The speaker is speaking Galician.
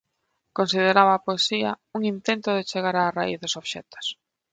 Consideraba a poesía "un intento de chegar á raíz dos obxectos".